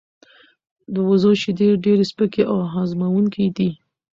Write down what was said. د وزو شیدې ډیر سپکې او هضمېدونکې دي.